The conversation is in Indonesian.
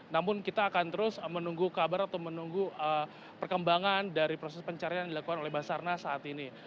namun kita akan terus menunggu kabar atau menunggu perkembangan dari proses pencarian yang dilakukan oleh basarnas saat ini